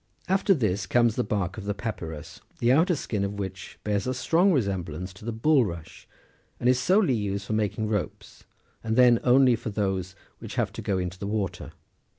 After this comes the bark of the papyrus, the outer skin of which bears a strong resemblance to the bulrush, and is solely used for making ropes, and then only for those which have to go into the water.